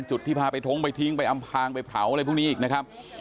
ที่พาไปท้องไปทิ้งไปอำพางไปเผาอะไรพวกนี้อีกนะครับ